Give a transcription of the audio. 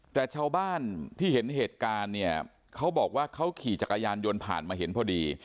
แต่ชาวบ้านที่เห็นเหตุการณ์เนี่ยเขาบอกว่าเขาขี่จักรยานยนต์ผ่านมาเห็นพอดี